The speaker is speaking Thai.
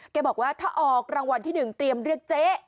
บอกว่าถ้าออกรางวัลที่๑เตรียมเรียกเจ๊